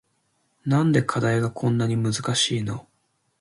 なんで課題がこんなに難しいの